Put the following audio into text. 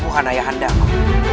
kesempatan ayah anda aku